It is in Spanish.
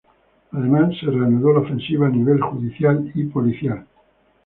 Además se reanudó la ofensiva a nivel judicial y policial.